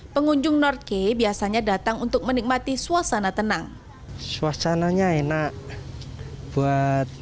pengunjung north key biasanya datang untuk menikmati suasana tenang suasananya enak buat